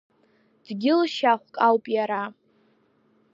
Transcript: Дгьыл шьахәк ауп иара.